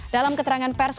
dalam keterangan pers